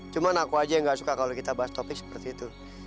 cuma aku aja yang gak suka kalau kita bahas topik seperti itu